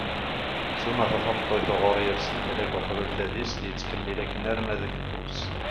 sumata tameṭṭut uɣur yers lehlak-a uqbel tadist yettkemmil akken arma d keffu-s